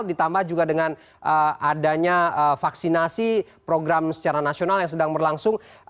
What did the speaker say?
ditambah juga dengan adanya vaksinasi program secara nasional yang sedang berlangsung